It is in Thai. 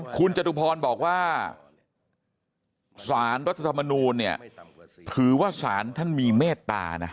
คุณจตุพรบอกว่าสารรัฐธรรมนูลเนี่ยถือว่าสารท่านมีเมตตานะ